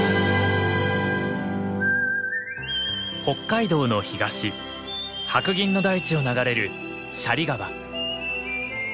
北海道の東白銀の大地を流れる斜里川。